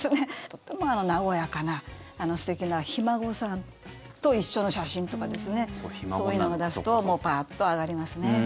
とっても和やかな素敵なひ孫さんと一緒の写真とかそういうのを出すとパーッと上がりますね。